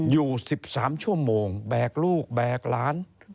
อยู่๑๓ชั่วโมงแบกลูกแบกหลาน